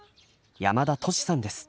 山田としさんです。